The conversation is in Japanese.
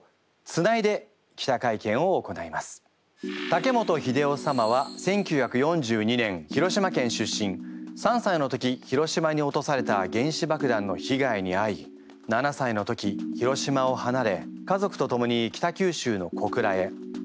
竹本秀雄様は１９４２年広島県出身３歳の時広島に落とされた原子爆弾の被害にあい７歳の時広島をはなれ家族と共に北九州の小倉へ。